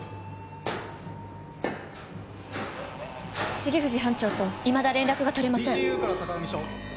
重藤班長といまだ連絡が取れません。